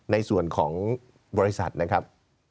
ในส่วนของบริษัทนะครับ